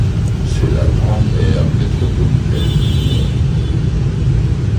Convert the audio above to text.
C'est la grande aire métropolitaine du monde.